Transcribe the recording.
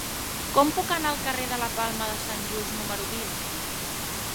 Com puc anar al carrer de la Palma de Sant Just número vint?